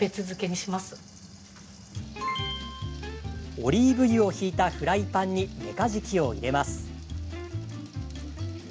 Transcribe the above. オリーブ油を引いたフライパンにメカジキを入れます。